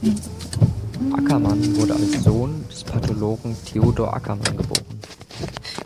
Ackermann wurde als Sohn des Pathologen Theodor Ackermann geboren.